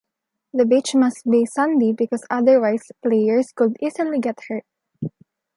The beach must be sandy because otherwise players could easily get hurt.